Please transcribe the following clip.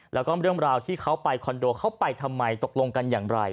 แล้วก็เรื่องราวที่เขาไปคอนโดเขาไปทำไมตกลงกันอย่างไร